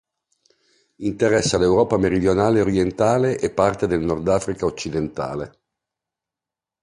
Interessa l'Europa meridionale e orientale e parte del Nordafrica occidentale.